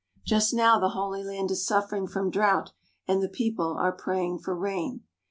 Just now the Holy Land is suffering from drought and the people are praying for rain.